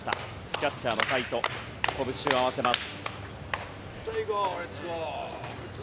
キャッチャーの甲斐とこぶしを合わせます。